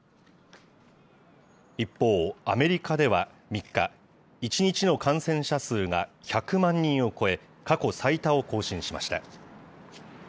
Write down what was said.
一方、アメリカでは３日、１日の感染者数が１００万人を超え、過去最多を更新しました。